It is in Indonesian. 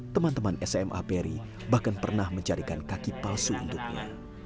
teman teman sma peri bahkan pernah menjadikan kaki palsu untuknya